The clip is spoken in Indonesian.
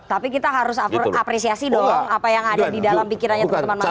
tapi kita harus apresiasi dong apa yang ada di dalam pikirannya teman teman mahasiswa